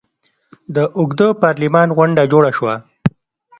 د اوږده پارلمان غونډه جوړه شوه.